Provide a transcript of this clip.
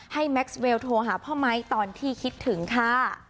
แม็กซ์เวลโทรหาพ่อไม้ตอนที่คิดถึงค่ะ